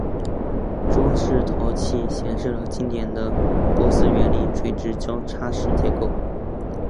装饰陶器显示了经典的波斯园林垂直交叉式结构。